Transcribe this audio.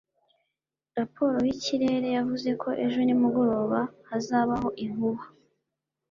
raporo y'ikirere yavuze ko ejo nimugoroba hazabaho inkuba